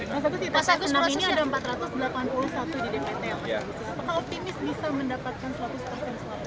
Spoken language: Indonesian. pasak enam ini ada empat ratus delapan puluh satu di dpt apakah optimis bisa mendapatkan seratus pas yang selalu